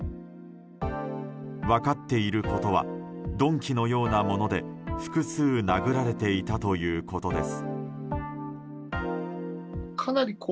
分かっていることは鈍器のようなもので複数、殴られていたということです。